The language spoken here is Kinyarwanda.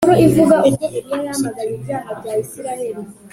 igihe cyose akeneye kuvuga